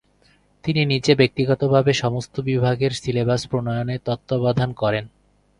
তিনি নিজে ব্যক্তিগতভাবে সমস্ত বিভাগের সিলেবাস প্রণয়নে তত্ত্বাবধান করেন।